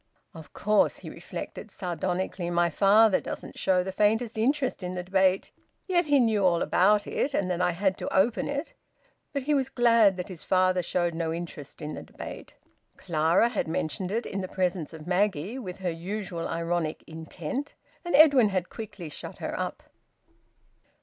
"Of course," he reflected sardonically, "father doesn't show the faintest interest in the debate. Yet he knew all about it, and that I had to open it." But he was glad that his father showed no interest in the debate. Clara had mentioned it in the presence of Maggie, with her usual ironic intent, and Edwin had quickly shut her up.